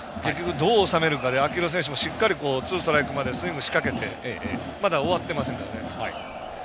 どう収めるかで秋広選手も、しっかりツーストライクまでスイングしかけてまだ終わってませんからね。